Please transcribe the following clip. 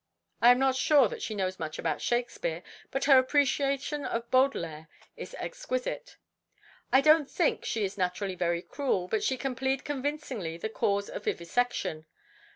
I am not sure that she knows much about Shakespeare, but her appreciation of Baudelaire is exquisite. I don't think she is naturally very cruel, but she can plead convincingly the cause of vivisection.